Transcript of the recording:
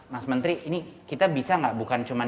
mas menteri ini kita bisa gak bukan